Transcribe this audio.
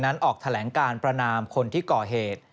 ราชมนินทรีย์นั้นออกแถลงการประนามคนที่ก่อเหตุ